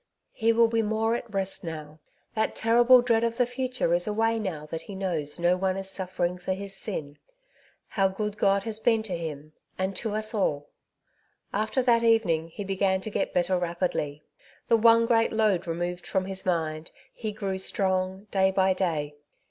" He will be more at rest now. That terrible dread of the future is away now that he knows no one is suffering for his sin. How good God has been to him, and to us all !" After that evening he began to get better rapidly. The one great load removed from his mind, he grew strong day by day.